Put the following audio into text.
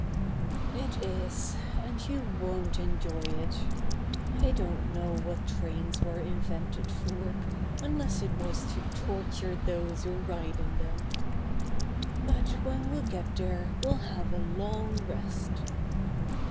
"It is, and you won't enjoy it. I don't know what trains were invented for unless it was to torture those who ride in them. But when we get there we'll have a long rest."